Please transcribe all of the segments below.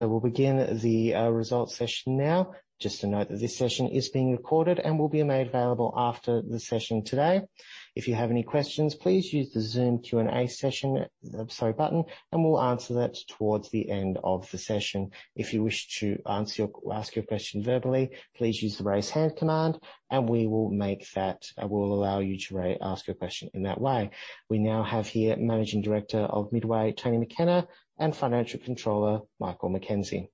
We'll begin the results session now. Just to note that this session is being recorded and will be made available after the session today. If you have any questions, please use the Zoom Q&A session button, and we'll answer that towards the end of the session. If you wish to ask your question verbally, please use the raise hand command and we'll allow you to ask your question in that way. We now have here Managing Director of Midway, Tony McKenna, and Financial Controller, Michael McKenzie.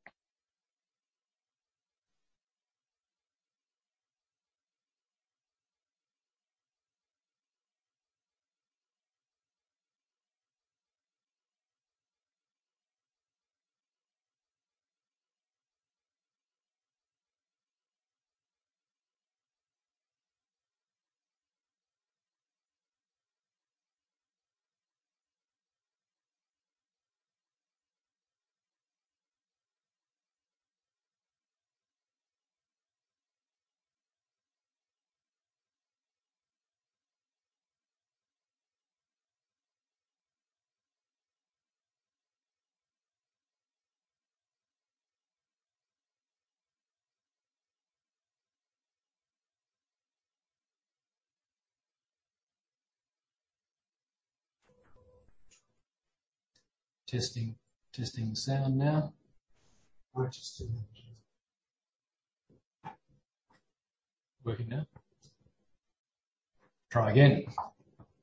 Testing the sound now. I just did that.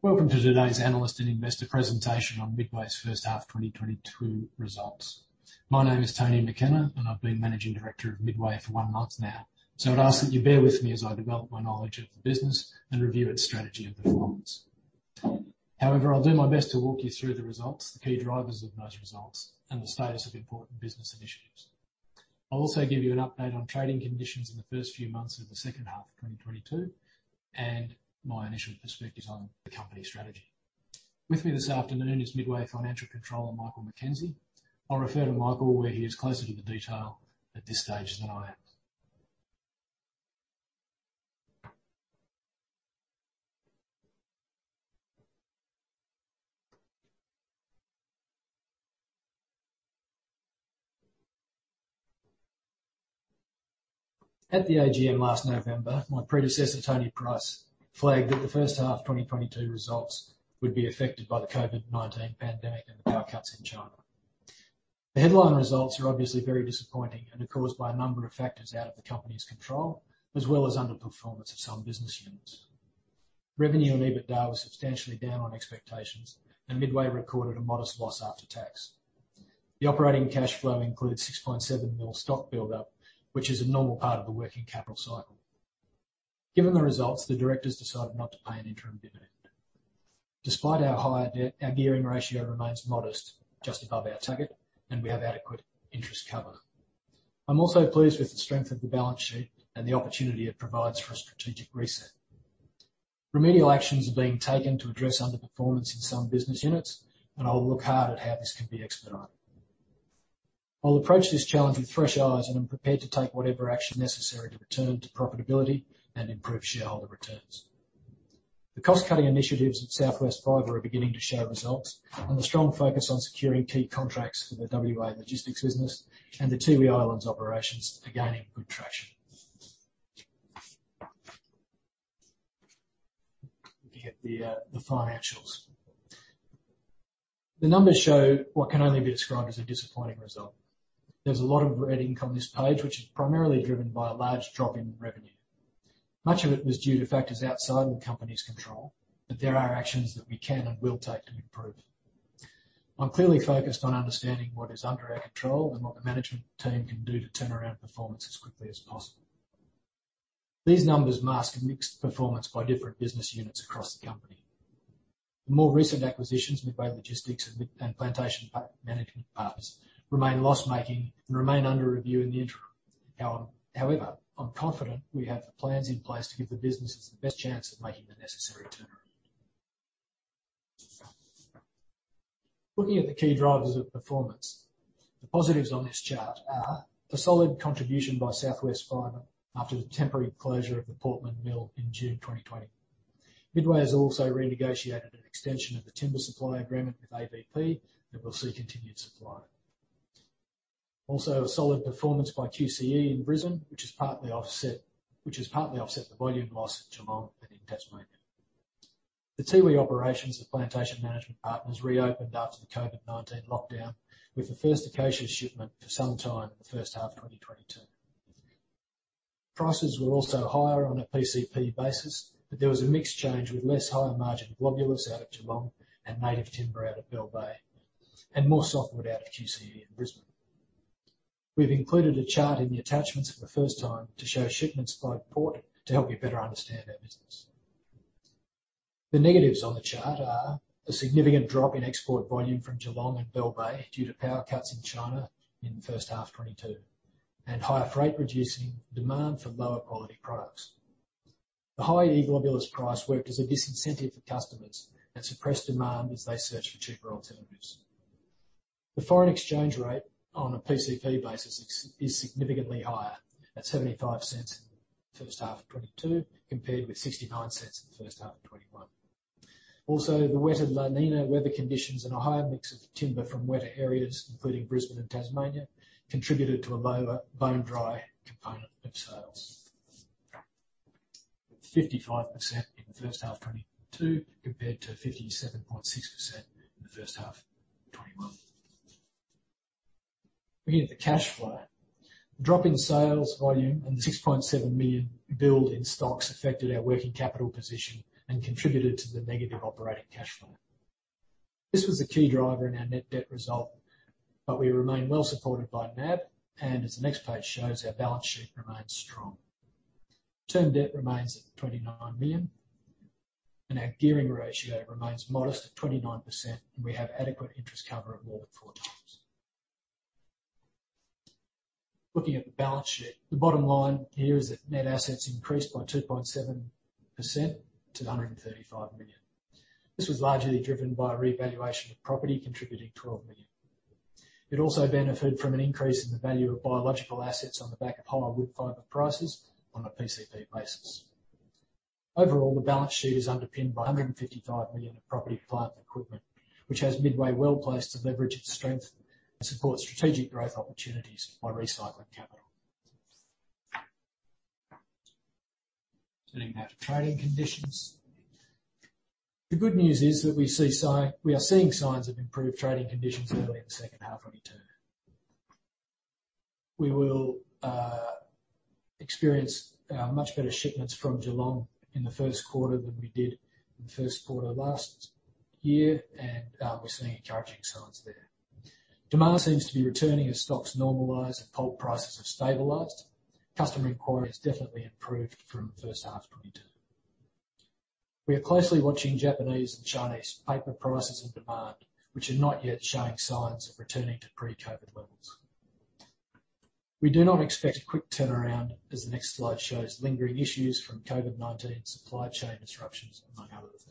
Welcome to today's analyst and investor presentation on Midway's first half 2022 results. My name is Tony McKenna, and I've been Managing Director of Midway for one month now, so I'd ask that you bear with me as I develop my knowledge of the business and review its strategy and performance. However, I'll do my best to walk you through the results, the key drivers of those results, and the status of important business initiatives. I'll also give you an update on trading conditions in the first few months of the second half of 2022, and my initial perspective on the company strategy. With me this afternoon is Midway Financial Controller, Michael McKenzie. I'll refer to Michael where he is closer to the detail at this stage than I am. At the AGM last November, my predecessor, Tony Price, flagged that the first half 2022 results would be affected by the COVID-19 pandemic and the power cuts in China. The headline results are obviously very disappointing and are caused by a number of factors out of the company's control, as well as underperformance of some business units. Revenue and EBITDA was substantially down on expectations, and Midway recorded a modest loss after tax. The operating cash flow included 6.7 million stock build-up, which is a normal part of the working capital cycle. Given the results, the directors decided not to pay an interim dividend. Despite our higher debt, our gearing ratio remains modest, just above our target, and we have adequate interest cover. I'm also pleased with the strength of the balance sheet and the opportunity it provides for a strategic reset. Remedial actions are being taken to address underperformance in some business units, and I will look hard at how this can be expedited. I'll approach this challenge with fresh eyes and am prepared to take whatever action necessary to return to profitability and improve shareholder returns. The cost-cutting initiatives at South West Fibre are beginning to show results, and the strong focus on securing key contracts for the WA Logistics business and the Tiwi Islands operations are gaining good traction. Looking at the financials. The numbers show what can only be described as a disappointing result. There's a lot of red ink on this page, which is primarily driven by a large drop in revenue. Much of it was due to factors outside of the company's control, but there are actions that we can and will take to improve. I'm clearly focused on understanding what is under our control and what the management team can do to turn around performance as quickly as possible. These numbers mask mixed performance by different business units across the company. The more recent acquisitions, Midway Logistics and Plantation Management Partners, remain loss-making and remain under review in the interim. However, I'm confident we have the plans in place to give the businesses the best chance of making the necessary turnaround. Looking at the key drivers of performance, the positives on this chart are the solid contribution by South West Fibre after the temporary closure of the Portland Mill in June 2020. Midway has also renegotiated an extension of the timber supply agreement with ABP that will see continued supply. Also, a solid performance by QCE in Brisbane, which has partly offset the volume loss at Geelong and in Tasmania. The Tiwi operations of Plantation Management Partners reopened after the COVID-19 lockdown, with the first Acacia shipment for some time in the first half of 2022. Prices were also higher on a PCP basis, but there was a mixed change with less higher margin globulus out of Geelong and native timber out of Bell Bay, and more softwood out of QCE in Brisbane. We've included a chart in the attachments for the first time to show shipments by port to help you better understand our business. The negatives on the chart are the significant drop in export volume from Geelong and Bell Bay due to power cuts in China in the first half 2022, and higher freight reducing demand for lower quality products. The high Eucalyptus globulus price worked as a disincentive for customers and suppressed demand as they searched for cheaper alternatives. The foreign exchange rate on a PCP basis is significantly higher at 75 cents first half of 2022, compared with 69 cents in the first half of 2021. The wetter La Niña weather conditions and a higher mix of timber from wetter areas, including Brisbane and Tasmania, contributed to a lower bone-dry component of sales. 55% in the first half, 2022 compared to 57.6% in the first half, 2021. Looking at the cash flow. The drop in sales volume and the 6.7 million build in stocks affected our working capital position and contributed to the negative operating cash flow. This was a key driver in our net debt result, but we remain well supported by NAB, and as the next page shows, our balance sheet remains strong. Term debt remains at 29 million, and our gearing ratio remains modest at 29%, and we have adequate interest cover of more than 4x. Looking at the balance sheet. The bottom line here is that net assets increased by 2.7% to AUD 135 million. This was largely driven by a revaluation of property contributing AUD 12 million. It also benefited from an increase in the value of biological assets on the back of higher wood fiber prices on a PCP basis. Overall, the balance sheet is underpinned by 155 million of property, plant equipment, which has Midway well-placed to leverage its strength and support strategic growth opportunities by recycling capital. Turning now to trading conditions. The good news is that we are seeing signs of improved trading conditions early in the second half, 2022. We will experience much better shipments from Geelong in the first quarter than we did in the first quarter last year, and we're seeing encouraging signs there. Demand seems to be returning as stocks normalize and pulp prices have stabilized. Customer inquiry has definitely improved from the first half, 2022. We are closely watching Japanese and Chinese paper prices and demand, which are not yet showing signs of returning to pre-COVID levels. We do not expect a quick turnaround, as the next slide shows lingering issues from COVID-19 supply chain disruptions, among other things.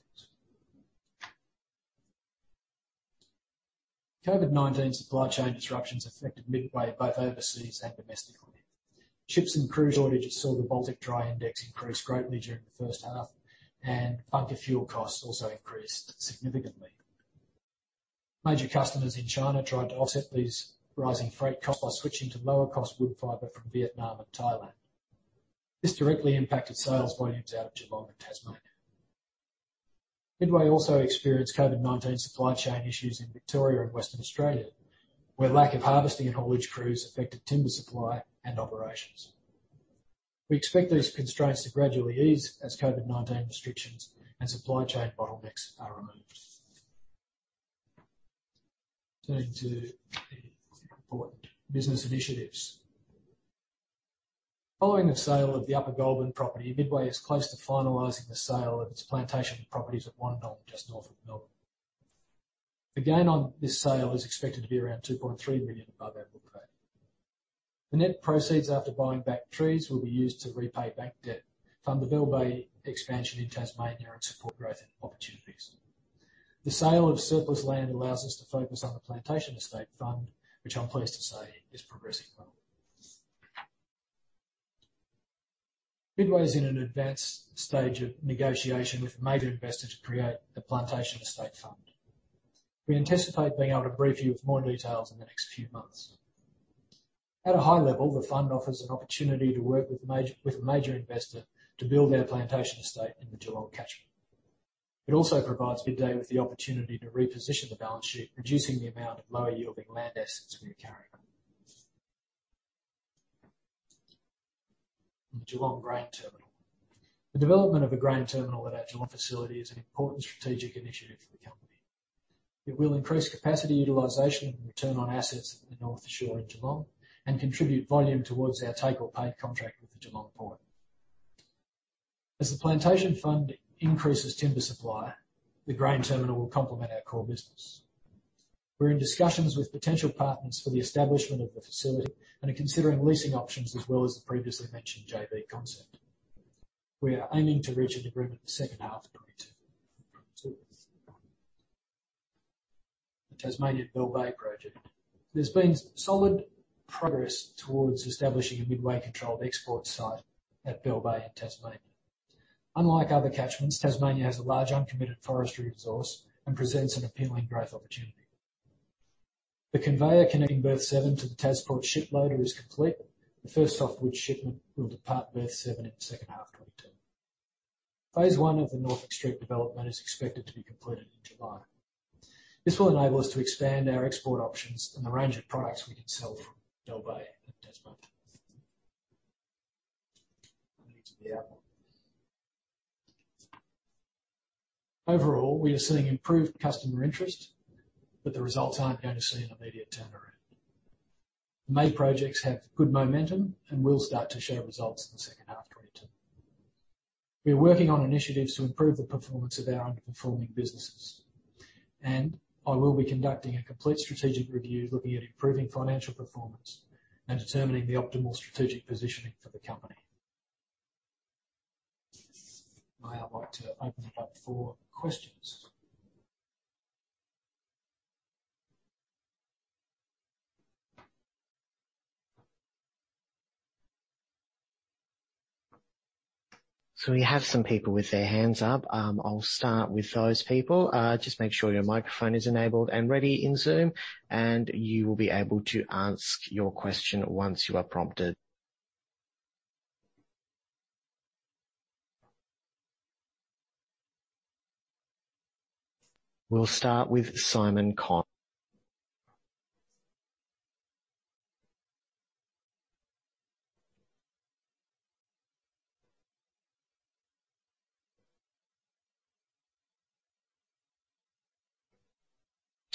COVID-19 supply chain disruptions affected Midway both overseas and domestically. Ship and crew shortages saw the Baltic Dry Index increase greatly during the first half, and bunker fuel costs also increased significantly. Major customers in China tried to offset these rising freight costs by switching to lower-cost woodfibre from Vietnam and Thailand. This directly impacted sales volumes out of Geelong and Tasmania. Midway also experienced COVID-19 supply chain issues in Victoria and Western Australia, where lack of harvesting and haulage crews affected timber supply and operations. We expect these constraints to gradually ease as COVID-19 restrictions and supply chain bottlenecks are removed. Turning to the important business initiatives. Following the sale of the Upper Goulburn property, Midway is close to finalizing the sale of its plantation properties at Wandong, just north of Melbourne. The gain on this sale is expected to be around 2.3 million above our book value. The net proceeds after buying back trees will be used to repay bank debt, fund the Bell Bay expansion in Tasmania and support growth and opportunities. The sale of surplus land allows us to focus on the plantation estate fund, which I'm pleased to say is progressing well. Midway is in an advanced stage of negotiation with a major investor to create the plantation estate fund. We anticipate being able to brief you with more details in the next few months. At a high level, the fund offers an opportunity to work with a major investor to build our plantation estate in the Geelong catchment. It also provides Midway with the opportunity to reposition the balance sheet, reducing the amount of lower-yielding land assets we are carrying. The Geelong Grain Terminal. The development of a grain terminal at our Geelong facility is an important strategic initiative for the company. It will increase capacity utilization and return on assets at the North Shore in Geelong and contribute volume towards our take-or-pay contract with the Geelong port. As the plantation fund increases timber supply, the grain terminal will complement our core business. We're in discussions with potential partners for the establishment of the facility and are considering leasing options as well as the previously mentioned JV concept. We are aiming to reach an agreement in the second half, 2022. The Tasmanian Bell Bay project. There's been solid progress towards establishing a Midway-controlled export site at Bell Bay in Tasmania. Unlike other catchments, Tasmania has a large uncommitted forestry resource and presents an appealing growth opportunity. The conveyor connecting Berth 7 to the TasPorts ship loader is complete. The first softwood shipment will depart Berth 7 in the second half 2022. Phase I of the Norfolk Street development is expected to be completed in July. This will enable us to expand our export options and the range of products we can sell from Bell Bay in Tasmania. Leading to the outlook. Overall, we are seeing improved customer interest, but the results aren't going to see an immediate turnaround. The main projects have good momentum and will start to show results in the second half 2022. We are working on initiatives to improve the performance of our underperforming businesses, and I will be conducting a complete strategic review looking at improving financial performance and determining the optimal strategic positioning for the company. I'd like to open it up for questions. We have some people with their hands up. I'll start with those people. Just make sure your microphone is enabled and ready in Zoom, and you will be able to ask your question once you are prompted. We'll start with Simon Conn.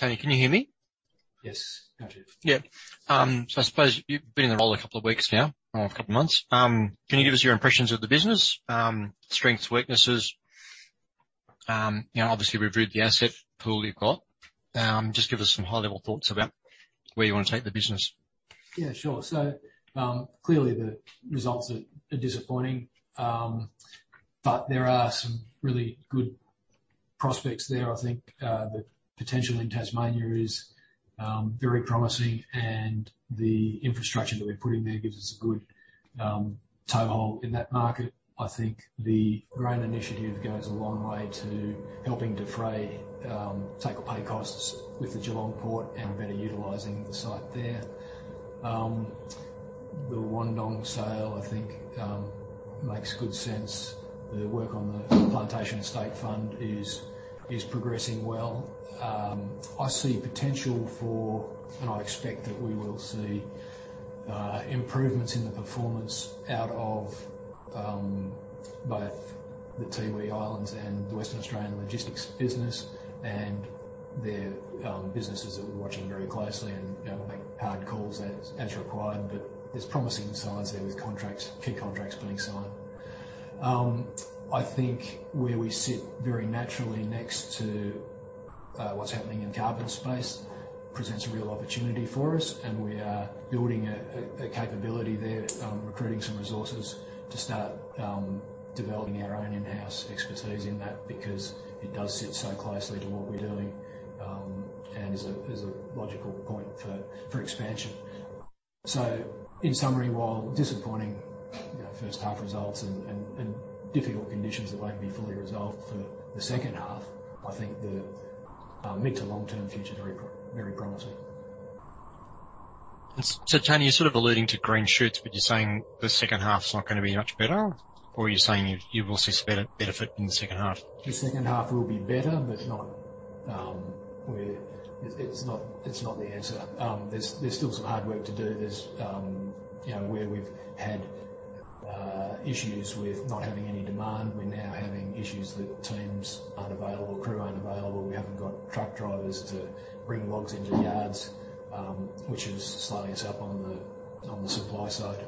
Tony, can you hear me? Yes, got you. Yeah. I suppose you've been in the role a couple of weeks now or a couple of months. Can you give us your impressions of the business, strengths, weaknesses? You know, obviously, we've reviewed the asset pool you've got. Just give us some high-level thoughts about where you wanna take the business. Yeah, sure. Clearly the results are disappointing, but there are some really good prospects there. I think the potential in Tasmania is very promising, and the infrastructure that we're putting there gives us a good toehold in that market. I think the Grain initiative goes a long way to helping defray take-or-pay costs with the Geelong Port and better utilizing the site there. The Wandong sale I think makes good sense. The work on the Plantation Estate Fund is progressing well. I see potential for, and I expect that we will see, improvements in the performance out of both the Tiwi Islands and the Western Australian logistics business and they're businesses that we're watching very closely, and, you know, we'll make hard calls as required. There's promising signs there with contracts, key contracts being signed. I think where we sit very naturally next to what's happening in carbon space presents a real opportunity for us, and we are building a capability there, recruiting some resources to start developing our own in-house expertise in that because it does sit so closely to what we're doing, and is a logical point for expansion. In summary, while disappointing, you know, first half results and difficult conditions that won't be fully resolved for the second half, I think the mid to long-term future very promising. Tony, you're sort of alluding to green shoots, but you're saying the second half's not gonna be much better? Or are you saying you will see some benefit in the second half? The second half will be better, but it's not the answer. There's still some hard work to do. There's, you know, where we've had issues with not having any demand, we're now having issues that teams aren't available, crew aren't available. We haven't got truck drivers to bring logs into yards, which is slowing us up on the supply side.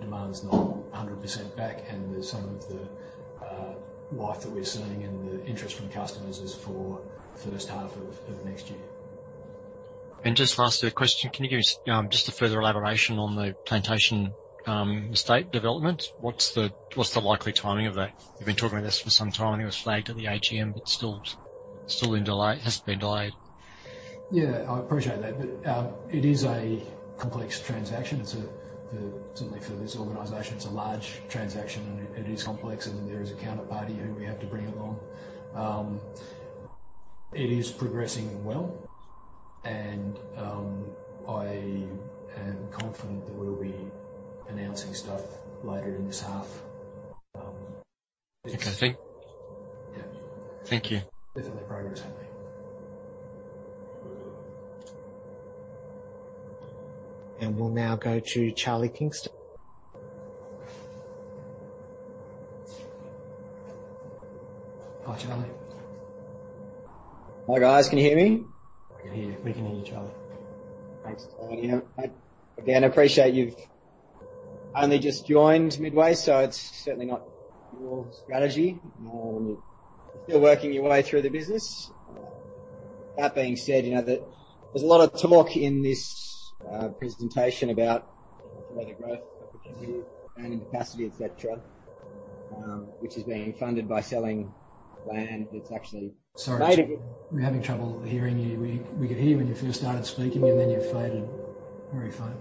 Demand's not 100% back. Some of the life that we're seeing and the interest from customers is for first half of next year. Just last question. Can you give us just a further elaboration on the plantation estate development? What's the likely timing of that? You've been talking about this for some time. It was flagged at the AGM, but it still has been delayed. Yeah, I appreciate that. It is a complex transaction. It's certainly for this organization, it's a large transaction and it is complex, and then there is a counterparty who we have to bring along. It is progressing well and I am confident that we'll be announcing stuff later in this half. Okay, thank- Yeah. Thank you. Definitely progress happening. We'll now go to Charlie Kingston. Hi, Charlie. Hi, guys. Can you hear me? We can hear you, Charlie. Thanks, Tony. Again, I appreciate you've only just joined Midway, so it's certainly not your strategy. You're still working your way through the business. That being said, you know that there's a lot of talk in this presentation about organic growth opportunities and capacity, et cetera, which is being funded by selling land that's actually Sorry, Charlie. We're having trouble hearing you. We could hear you when you first started speaking, and then you faded. Where are you from?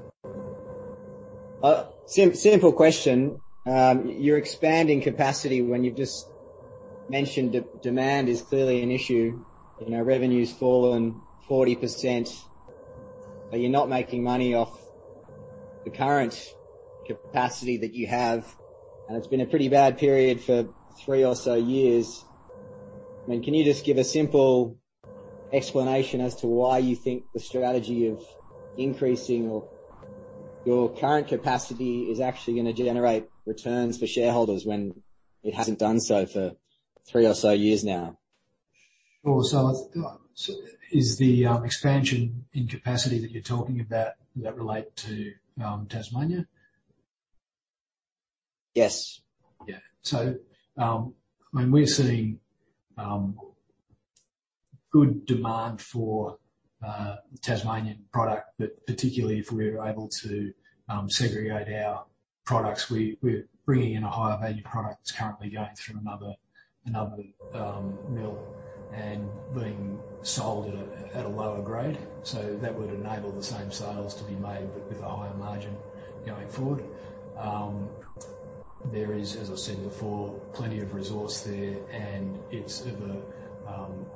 Simple question. You're expanding capacity when you've just mentioned demand is clearly an issue. You know, revenue's fallen 40%, but you're not making money off the current capacity that you have, and it's been a pretty bad period for three or so years. I mean, can you just give a simple explanation as to why you think the strategy of increasing your current capacity is actually gonna generate returns for shareholders when it hasn't done so for three or so years now? Sure. Is the expansion in capacity that you're talking about, does that relate to Tasmania? Yes. Yeah. I mean, we're seeing good demand for Tasmanian product, but particularly if we're able to segregate our products. We're bringing in a higher value product that's currently going through another mill and being sold at a lower grade. That would enable the same sales to be made, but with a higher margin going forward. There is, as I said before, plenty of resource there and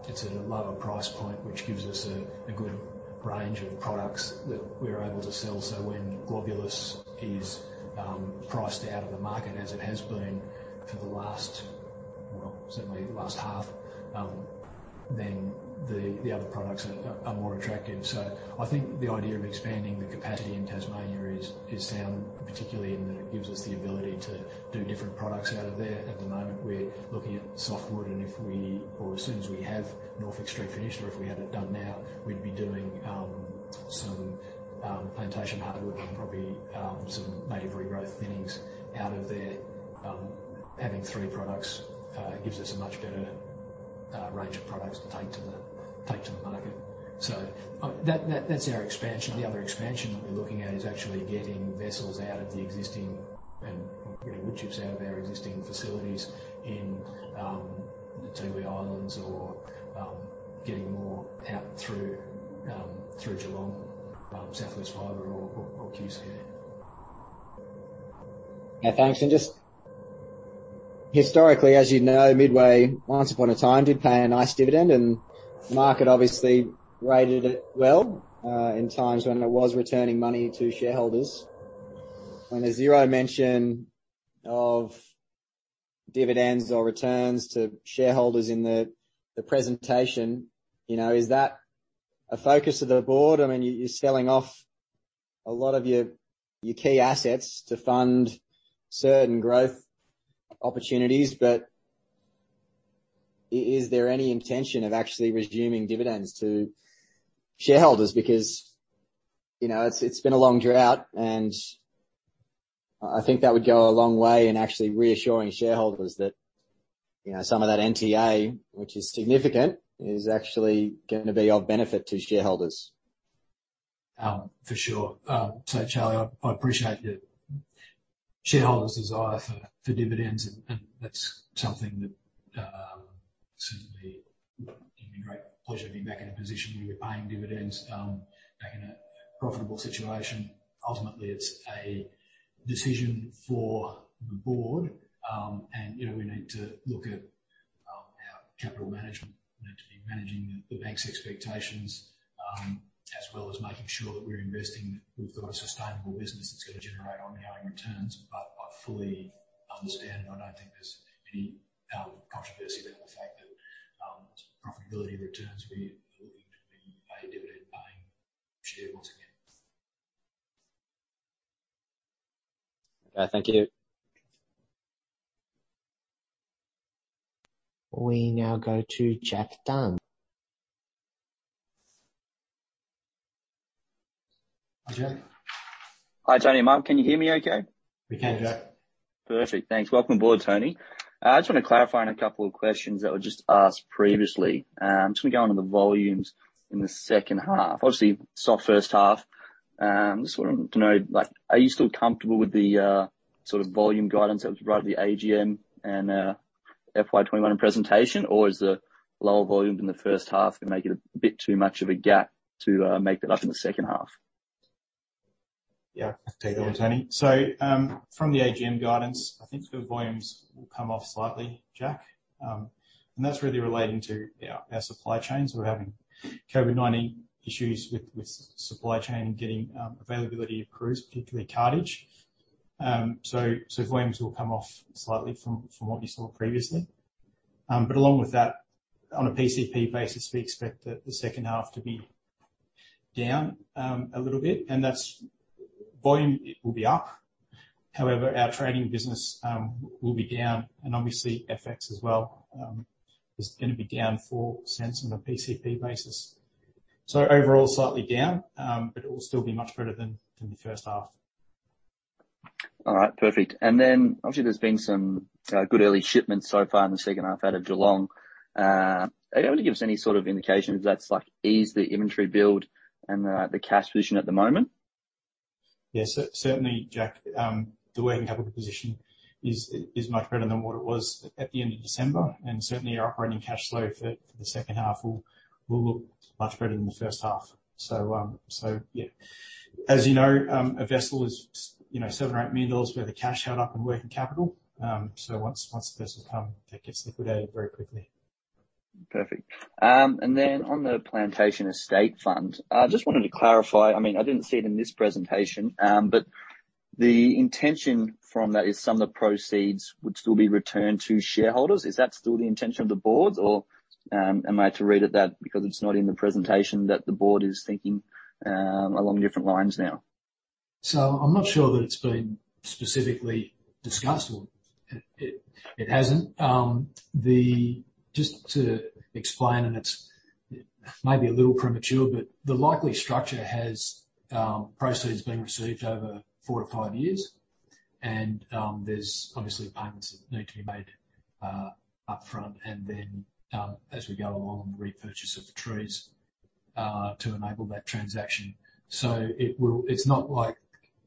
it's at a lower price point, which gives us a good range of products that we're able to sell. When globulus is priced out of the market as it has been for the last, well, certainly the last half, then the other products are more attractive. I think the idea of expanding the capacity in Tasmania is sound, particularly in that it gives us the ability to do different products out of there. At the moment, we're looking at softwood and if we, or as soon as we have Norfolk Street finished or if we have it done now, we'd be doing some plantation hardwood and probably some native regrowth thinnings out of there. Having three products gives us a much better range of products to take to the market. That's our expansion. The other expansion that we're looking at is actually getting vessels out of the existing and getting wood chips out of our existing facilities in the Tiwi Islands or getting more out through Geelong, South West Fibre or QCE. Now, thanks. Just historically, as you know, Midway once upon a time did pay a nice dividend and market obviously rated it well in times when it was returning money to shareholders. There's zero mention of dividends or returns to shareholders in the presentation. You know, is that a focus of the board? I mean, you're selling off a lot of your key assets to fund certain growth opportunities, but is there any intention of actually resuming dividends to shareholders? Because, you know, it's been a long drought, and I think that would go a long way in actually reassuring shareholders that, you know, some of that NTA, which is significant, is actually gonna be of benefit to shareholders. For sure. Charlie, I appreciate the shareholders' desire for dividends, and that's something that certainly it would give me great pleasure to be back in a position where we're paying dividends back in a profitable situation. Ultimately, it's a decision for the board, and, you know, we need to look at our capital management. We need to be managing the bank's expectations, as well as making sure that we're investing. We've got a sustainable business that's gonna generate ongoing returns. I fully understand, and I don't think there's any controversy about the fact that profitability returns, we are looking to be a dividend paying share once again. Okay, thank you. We now go to Jack Dunn. Hi, Jack. Hi, Tony and Mike. Can you hear me okay? We can, Jack. Perfect. Thanks. Welcome aboard, Tony. I just want to clarify on a couple of questions that were just asked previously. I'm just gonna go onto the volumes in the second half. Obviously, soft first half. Just wanted to know, like, are you still comfortable with the sort of volume guidance that was provided at the AGM and FY 2021 presentation? Or is the lower volume in the first half gonna make it a bit too much of a gap to make that up in the second half? Yeah. Take that one Mike. From the AGM guidance, I think the volumes will come off slightly, Jack. That's really relating to our supply chains. We're having COVID-19 issues with supply chain getting availability of crews, particularly cartage. Volumes will come off slightly from what you saw previously. Along with that, on a PCP basis, we expect the second half to be down a little bit. That's volume. It will be up. However, our trading business will be down and obviously FX as well is gonna be down four cents on a PCP basis. Overall, slightly down, but it will still be much better than the first half. All right, perfect. Obviously there's been some good early shipments so far in the second half out of Geelong. Are you able to give us any sort of indication if that's like eased the inventory build and the cash position at the moment? Yes, certainly Jack. The working capital position is much better than what it was at the end of December, and certainly our operating cash flow for the second half will look much better than the first half. Yeah. As you know, a vessel is, you know, 7 million-8 million dollars worth of cash tied up in working capital. Once the vessels come, that gets liquidated very quickly. Perfect. On the plantation estate fund, I just wanted to clarify, I mean, I didn't see it in this presentation, but the intention from that is some of the proceeds would still be returned to shareholders. Is that still the intention of the board or, am I to read it that because it's not in the presentation that the board is thinking, along different lines now? I'm not sure that it's been specifically discussed or it hasn't. Just to explain, it's maybe a little premature, but the likely structure has proceeds being received over four to five years. There's obviously payments that need to be made upfront and then, as we go along, the repurchase of the trees to enable that transaction. It's not like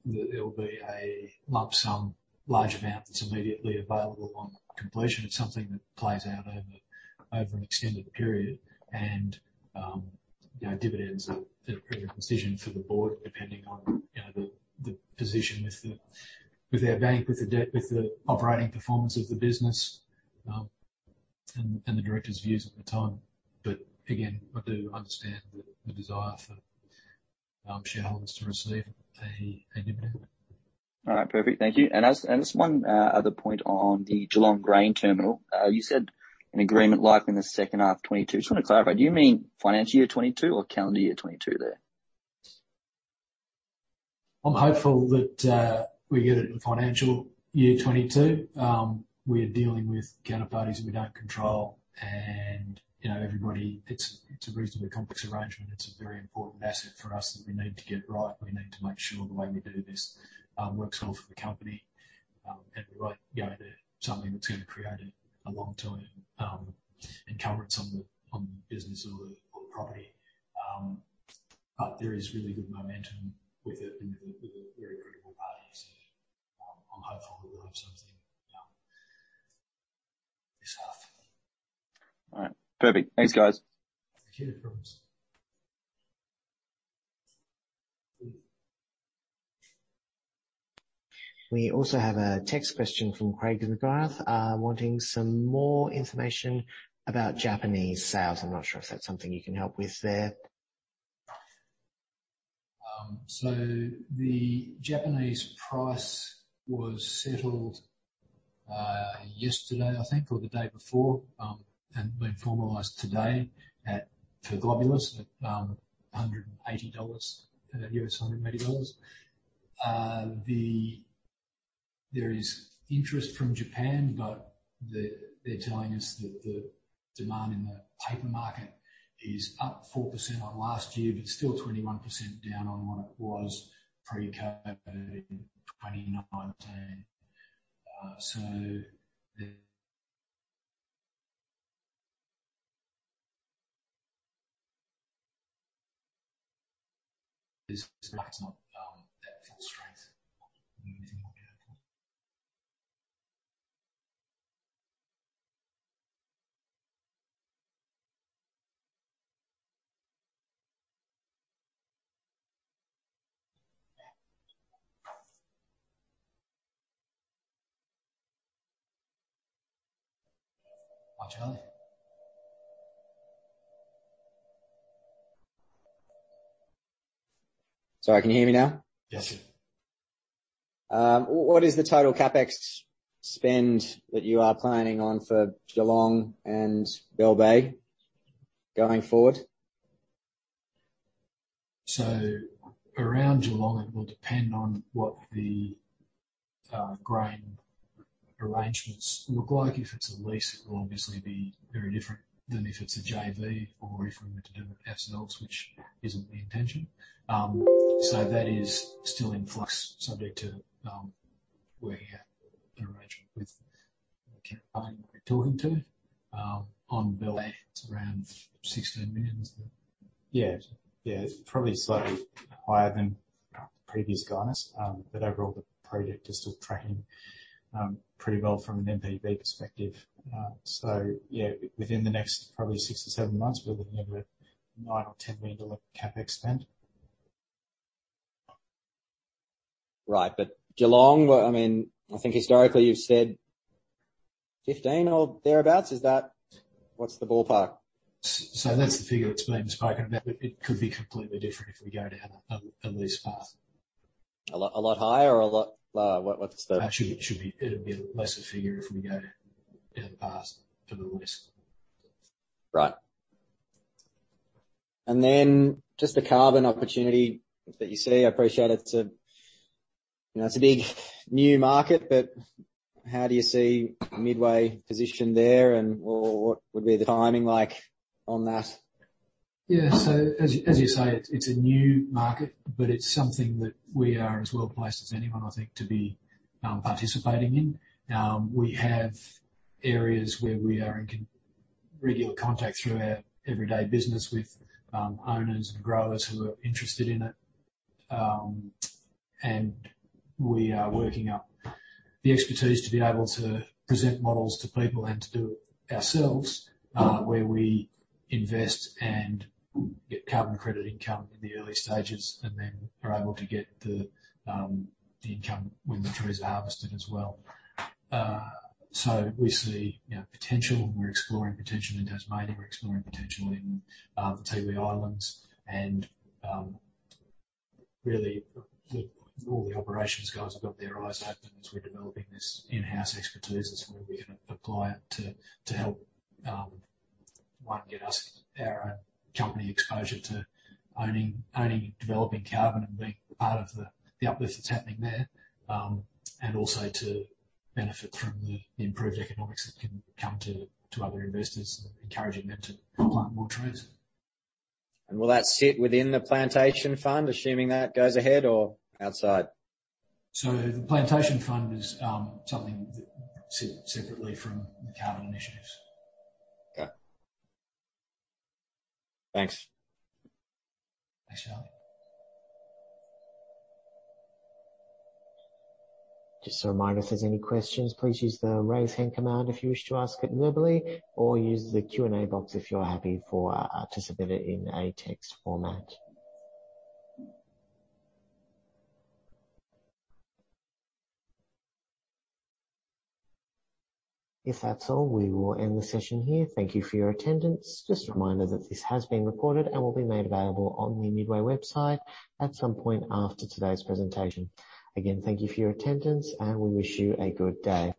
that it'll be a lump sum, large amount that's immediately available on completion. It's something that plays out over an extended period. You know, dividends are a decision for the board depending on, you know, the position with our bank, with the debt, with the operating performance of the business, and the directors' views at the time. Again, I do understand the desire for shareholders to receive a dividend. All right. Perfect. Thank you. As one other point on the Geelong Grain Terminal, you said an agreement likely in the second half of 2022. Just wanna clarify, do you mean financial year 2022 or calendar year 2022 there? I'm hopeful that we get it in financial year 2022. We're dealing with counterparties that we don't control and, you know, it's a reasonably complex arrangement. It's a very important asset for us that we need to get right. We need to make sure the way we do this works well for the company and we won't go into something that's gonna create a long-term encumbrance on the business or the property. There is really good momentum with it and with the very critical parties, and I'm hopeful that we'll have something this half. All right. Perfect. Thanks, guys. Thank you. We also have a text question from Craig McGrath, wanting some more information about Japanese sales. I'm not sure if that's something you can help with there. The Japanese price was settled yesterday, I think, or the day before, and been formalized today at $180 for globulus at US$180. There is interest from Japan, but they're telling us that the demand in the paper market is up 4% on last year, but still 21% down on what it was pre-COVID in 2019. It is perhaps not at full strength. Sorry, can you hear me now? Yes. What is the total CapEx spend that you are planning on for Geelong and Bell Bay going forward? Around Geelong, it will depend on what the grain arrangements look like. If it's a lease, it will obviously be very different than if it's a JV or if we were to do it ourselves, which isn't the intention. That is still in flux, subject to where you have an arrangement with the counterparty we're talking to. On Bell Bay, it's around 16 million. Yeah. Yeah. It's probably slightly higher than previous guidance, but overall the project is still tracking pretty well from an NPV perspective. So yeah, within the next probably six or seven months, we're looking at a 9 million-10 million CapEx spend. Right. But Geelong, I mean, I think historically you've said 15 or thereabouts. Is that? What's the ballpark? That's the figure that's been spoken about, but it could be completely different if we go down a lease path. A lot higher or a lot lower? What's the- Actually, it should be, it'd be less a figure if we go down the path for the lease. Right. Just the carbon opportunity that you see. I appreciate it's a, you know, it's a big new market, but how do you see Midway positioned there and/or what would be the timing like on that? Yeah. As you say, it's a new market, but it's something that we are as well placed as anyone I think to be participating in. We have areas where we are in regular contact through our everyday business with owners and growers who are interested in it. We are working up the expertise to be able to present models to people and to do it ourselves, where we invest and get carbon credit income in the early stages, and then are able to get the income when the trees are harvested as well. We see, you know, potential. We're exploring potential in Tasmania. We're exploring potential in the Tiwi Islands. Really, all the operations guys have got their eyes open as we're developing this in-house expertise as where we can apply it to help one get us our own company exposure to owning and developing carbon and being part of the uplift that's happening there. Also to benefit from the improved economics that can come to other investors, encouraging them to plant more trees. Will that sit within the plantation fund, assuming that goes ahead or outside? The plantation fund is something that sits separately from the carbon initiatives. Okay. Thanks. Thanks, Charlie. Just a reminder, if there's any questions, please use the raise hand command if you wish to ask it verbally or use the Q&A box if you're happy for us to submit it in a text format. If that's all, we will end the session here. Thank you for your attendance. Just a reminder that this has been recorded and will be made available on the Midway website at some point after today's presentation. Again, thank you for your attendance, and we wish you a good day.